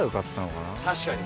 確かに！